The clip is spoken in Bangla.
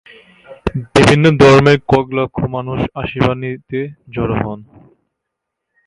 বিভিন্ন ধর্মের কয়েক লক্ষ মানুষ আশীর্বাদ নিতে জড়ো হন।